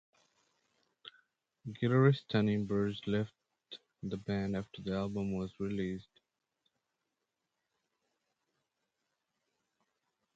Guitarist Tony Bourge left the band after the album was released.